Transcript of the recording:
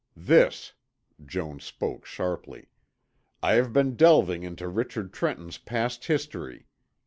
"This." Jones spoke sharply. "I have been delving into Richard Trenton's past history.